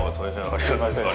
ありがとうございます。